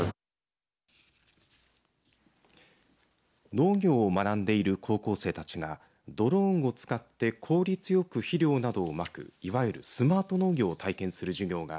農業を学んでいる高校生たちがドローンを使って効率よく肥料などをまくいわゆるスマート農業を体験する授業が